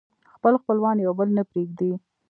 خپل خپلوان يو بل نه پرېږدي